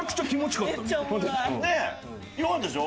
良かったでしょ？